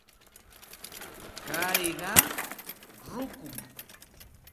Kayqa rukum.